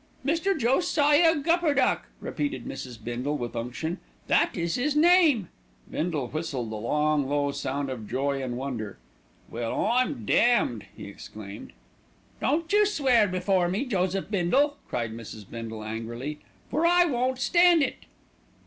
"Mr. Josiah Gupperduck," repeated Mrs. Bindle with unction. "That is his name." Bindle whistled, a long low sound of joy and wonder. "Well, I'm damned!" he exclaimed. "Don't you swear before me, Joseph Bindle," cried Mrs. Bindle angrily; "for I won't stand it."